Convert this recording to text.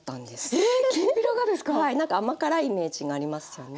なんか甘辛いイメージがありますよね。